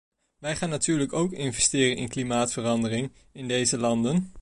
Wij gaan natuurlijk ook investeren in klimaatverandering in deze landen.